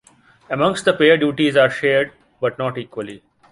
Amongst the pair duties are shared but not equally.